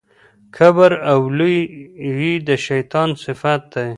کبر او لويي د شيطان صفت دی.